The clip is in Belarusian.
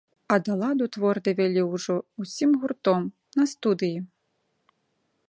А да ладу твор давялі ўжо ўсім гуртом, на студыі.